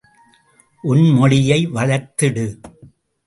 உன் மொழியை வளர்த்திடு!